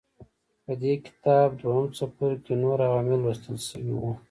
په دې کتاب دویم څپرکي کې نور عوامل لوستل شوي وو.